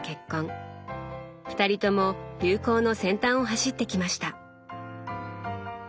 二人とも流行の先端を走ってきました。